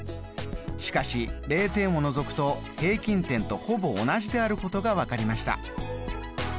しかし０点を除くと平均点とほぼ同じであることが分かりました。